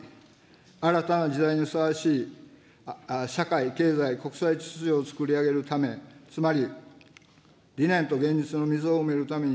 新たな時代にふさわしい社会、経済、国際秩序を創り上げるため、つまり理念と現実の溝を埋めるために、